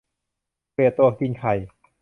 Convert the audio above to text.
เกลียดตัวกินไข่